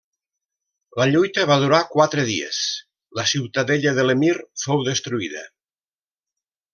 La lluita va durar quatre dies; la ciutadella de l'emir fou destruïda.